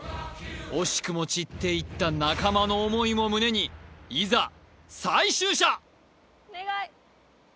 惜しくも散っていった仲間の思いも胸にいざ最終射！